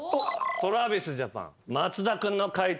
ＴｒａｖｉｓＪａｐａｎ松田君の解答